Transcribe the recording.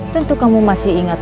tentu kamu masih ingat